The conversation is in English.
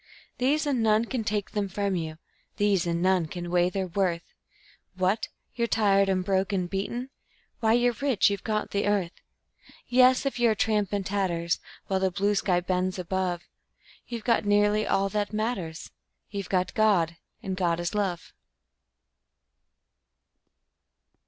These, and none can take them from you; These, and none can weigh their worth. What! you're tired and broke and beaten? Why, you're rich you've got the earth! Yes, if you're a tramp in tatters, While the blue sky bends above You've got nearly all that matters You've got God, and God is love.